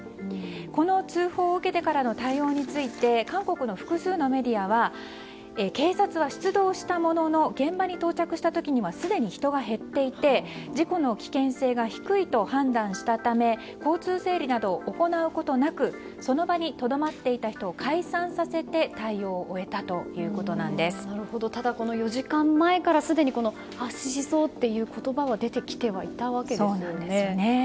この通報を受けてからの対応について韓国の複数のメディアは警察は出動したものの現場に到着した時にはすでに人が減っていて事故の危険性が低いと判断したため交通整理などを行うことなくその場にとどまっていた人を解散させてただ、この４時間前からすでに圧死しそうという言葉は出てきてはいたわけですね。